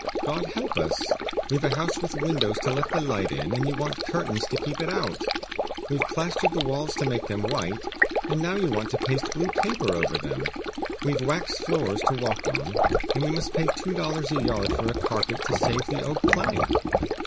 God help us! we've a house with windows to let the light in, and you want curtains to keep it out; we've plastered the walls to make them white, and now you want to paste blue paper over them; we've waxed floors to walk on, and we must pay two dollars a yard for a carpet to save the oak plank!